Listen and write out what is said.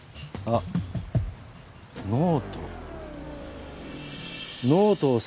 あっノート。